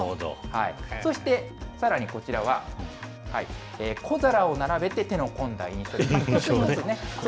そしてさらにこちらは、小皿を並べて、手の込んだ印象にということで。